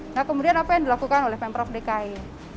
nah kemudian apa yang dilakukan oleh pemprov dki